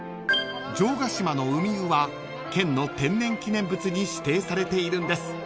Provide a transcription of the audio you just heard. ［城ヶ島のウミウは県の天然記念物に指定されているんです］